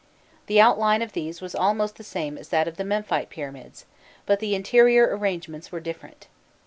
The outline of these was almost the same as that of the Memphite pyramids, but the interior arrangements were different.